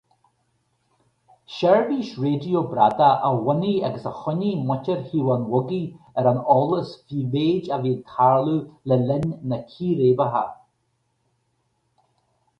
Seirbhís raidió bradach a bhunaigh agus a choinnigh muintir Thaobh an Bhogaigh ar an eolas faoin méid a bhí ag tarlú le linn na círéibeacha.